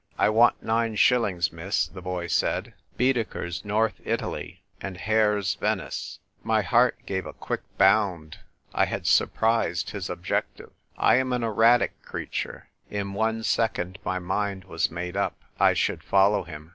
I want nine shillings, miss," the boy said ; "Baedeker's 'North Italy' and Hare's 'Venice.'" My heart gave a quick bound. I had sur prised his objective. I am an erratic creature. In one second my mind was made up. I should follow him.